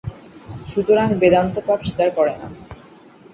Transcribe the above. সুতরাং বেদান্ত পাপ স্বীকার করে না।